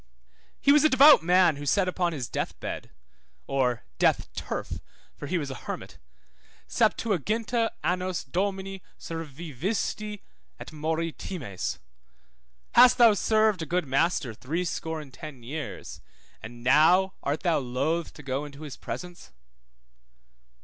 He was a devout man who said upon his death bed, or death turf (for he was a hermit), Septuaginta annos Domino servivisti, et mori times? Hast thou served a good master threescore and ten years, and now art thou loth to go into his presence?